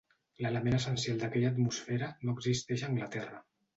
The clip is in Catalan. L'element essencial d'aquella atmosfera no existeix a Anglaterra